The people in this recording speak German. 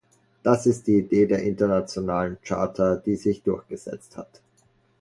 Das ist die Idee der Internationalen Charta, die sich durchgesetzt hat.